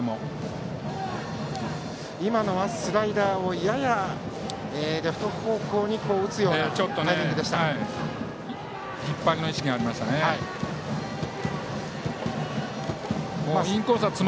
今のはスライダーをややレフト方向に打つようなタイミングでした。